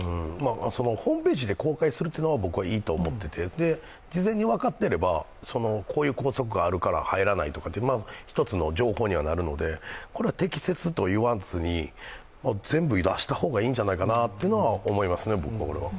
ホームページで公開するというのは、僕はいいと思っていて、事前に分かっていれば、こういう校則があるから入らないといった一つの情報にはなるので適切と言わずに全部出した方がいいんじゃないかとは思いますね。